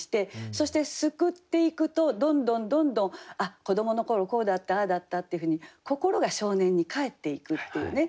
そしてすくっていくとどんどんどんどん「あっ子どもの頃こうだったああだった」っていうふうに心が少年に返っていくっていうね。